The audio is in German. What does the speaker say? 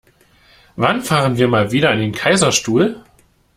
Wann fahren wir mal wieder an den Kaiserstuhl?